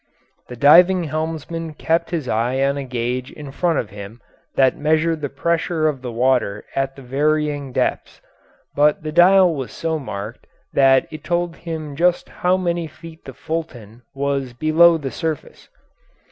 The diving helmsman kept his eye on a gauge in front of him that measured the pressure of water at the varying depths, but the dial was so marked that it told him just how many feet the Fulton was below the surface.